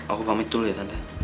aku pamit dulu ya tanda